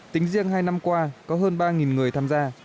tính riêng hai năm qua có hơn ba người tham gia